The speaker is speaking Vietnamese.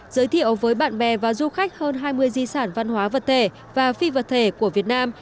giới thiệu với bạn bè và du khách hơn hai mươi di sản văn hóa vật thể và phi vật thể của việt nam